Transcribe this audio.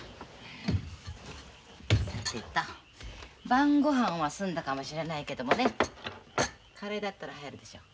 さてと晩ごはんは済んだかもしれないけどもねカレーだったら入るでしょう。